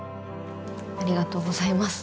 ありがとうございます。